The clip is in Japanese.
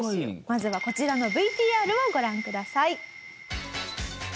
まずはこちらのＶＴＲをご覧ください。